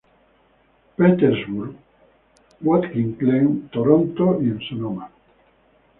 Petersburg, Watkins Glen, Toronto y en Sonoma.